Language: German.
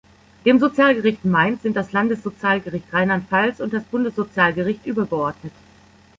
Dem Sozialgericht Mainz sind das Landessozialgericht Rheinland-Pfalz und das Bundessozialgericht übergeordnet.